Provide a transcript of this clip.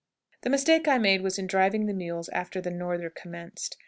The mistake I made was in driving the mules after the "norther" commenced.